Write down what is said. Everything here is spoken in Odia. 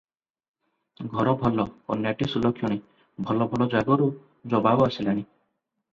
ଘର ଭଲ, କନ୍ୟାଟି ସୁଲକ୍ଷଣୀ, ଭଲ ଭଲ ଜାଗାରୁ ଜବାବ ଆସିଲାଣି ।